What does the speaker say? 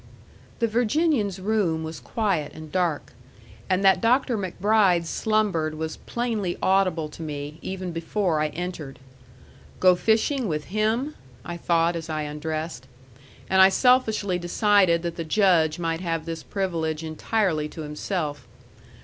The Virginian's room was quiet and dark; and that Dr. MacBride slumbered was plainly audible to me, even before I entered. Go fishing with him! I thought, as I undressed. And I selfishly decided that the Judge might have this privilege entirely to himself.